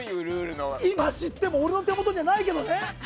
今知っても俺の手元にはないけどね！